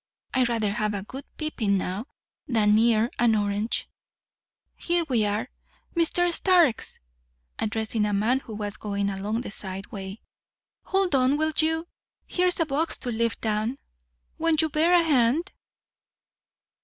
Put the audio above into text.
I'd rather have a good pippin now than ne'er an orange. Here we are. Mr. Starks!" addressing a man who was going along the side way "hold on, will you? here's a box to lift down won't you bear a hand?"